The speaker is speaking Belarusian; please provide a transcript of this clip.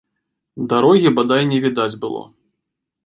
Дарогі бадай не відаць было.